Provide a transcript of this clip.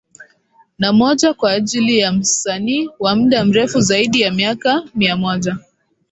Na moja kwa ajili ya Msanii wa mda mrefu zaidi ya miaka mia moja